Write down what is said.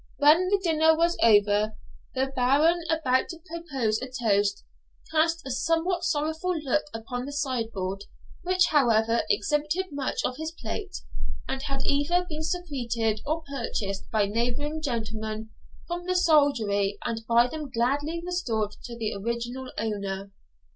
When the dinner was over the Baron, about to propose a toast, cast a somewhat sorrowful look upon the sideboard, which, however, exhibited much of his plate, that had either been secreted or purchased by neighbouring gentlemen from the soldiery, and by them gladly restored to the original owner.